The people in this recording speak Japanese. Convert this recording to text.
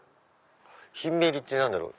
ヒンメリって何だろう？